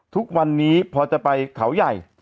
ทุกวันนี้พอจะไปเขาใหญ่